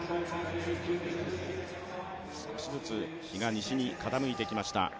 少しずつ日が西に傾いてきました。